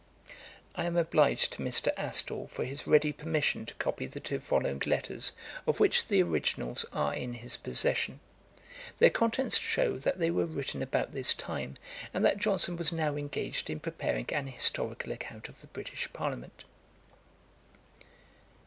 I am obliged to Mr. Astle for his ready permission to copy the two following letters, of which the originals are in his possession. Their contents shew that they were written about this time, and that Johnson was now engaged in preparing an historical account of the British Parliament.